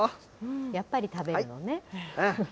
やっぱり食べるのね。